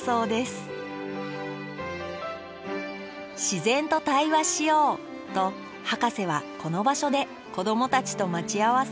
自然と対話しようとハカセはこの場所で子どもたちと待ち合わせ。